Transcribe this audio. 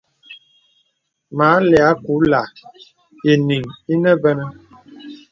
Wà lɛ àkùla ìyìŋ ìnə vənə.